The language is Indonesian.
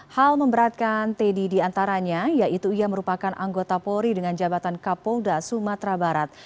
hal memberatkan teddy diantaranya yaitu ia merupakan anggota polri dengan jabatan kapolda sumatera barat